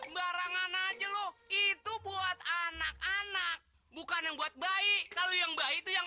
barangan aja loh itu buat anak anak bukan yang buat baik kalau yang baik itu yang